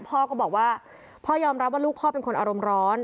พ่อก็บอกว่าพ่อยอมรับว่าลูกพ่อเป็นคนอารมณ์ร้อน